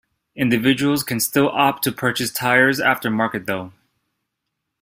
Individuals can still opt to purchase tires aftermarket though.